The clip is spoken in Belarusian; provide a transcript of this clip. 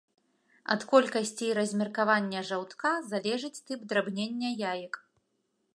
Ад колькасці і размеркавання жаўтка залежыць тып драбнення яек.